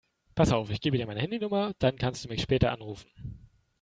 Pass auf, ich gebe dir meine Handynummer, dann kannst du mich später anrufen.